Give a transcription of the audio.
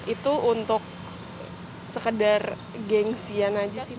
itu untuk sekedar gengsian aja sih